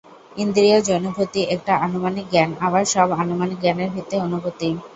ইন্দ্রিয়জ অনুভূতি একটা আনুমানিক জ্ঞান, আবার সব আনুমানিক জ্ঞানের ভিত্তি অনুভূতি।